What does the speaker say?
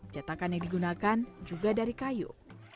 cetakan yang digunakan juga dari kayu